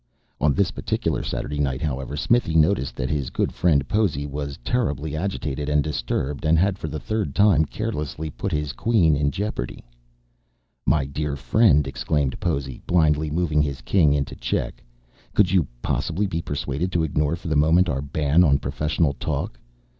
On this particular Saturday night, however, Smithy noticed that his good friend Possy was terribly agitated and disturbed, and had for the third time carelessly put his queen in jeopardy. "My dear friend," exclaimed Possy, blindly moving his king into check. "Could you possibly be persuaded to ignore for the moment our ban on professional talk?